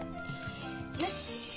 よし！